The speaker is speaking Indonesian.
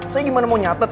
saya gimana mau nyatet